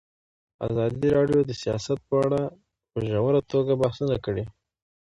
ازادي راډیو د سیاست په اړه په ژوره توګه بحثونه کړي.